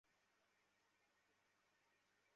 মানে খুঁজতে আসার আগেই মারা যায়?